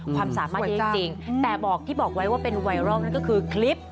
ความสามารถเยอะจริงแต่บอกที่บอกไว้ว่าเป็นไวรัลนั่นก็คือคลิป